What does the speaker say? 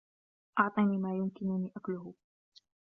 أعطني ما يمكنني أكله.